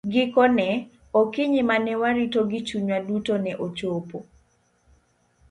Gikone, okinyi ma ne warito gi chunywa duto ne ochopo.